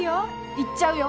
行っちゃうよ。